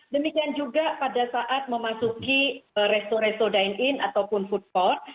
demikian juga pada saat memasuki resto resto dine in ataupun food court